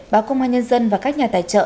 báo công an nhân dân và các nhà tài trợ